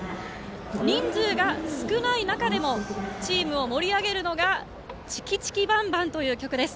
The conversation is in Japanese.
人数が少ない中でもチームを盛り上げるのが「チキチキバンバン」という曲です。